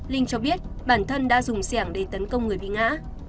linh cho biết bản thân đã dùng xe hàng để tấn công người bị ngã